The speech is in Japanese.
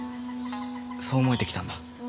そう思えてきたんだ。